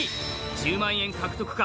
１０万円獲得か？